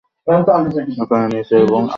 এখানে নিচে এবং উপরে দু’টি কক্ষ ছিল।